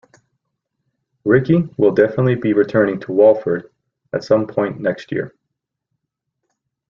Ricky will definitely be returning to Walford at some point next year.